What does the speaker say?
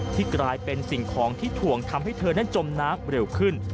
กลายเป็นสิ่งของที่ถ่วงทำให้เธอนั้นจมน้ำเร็วขึ้น